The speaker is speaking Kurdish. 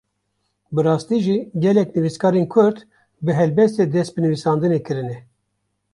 Bi rastî jî gelek nivîskarên Kurd bi helbestê dest bi nivîsandinê kirine.